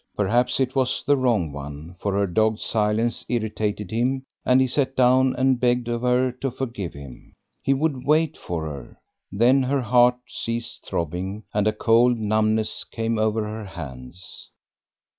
Perhaps it was the wrong one, for her dogged silence irritated him, and he sat down and begged of her to forgive him. He would wait for her. Then her heart ceased throbbing, and a cold numbness came over her hands.